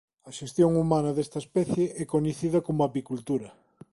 A xestión humana desta especie é coñecida como apicultura.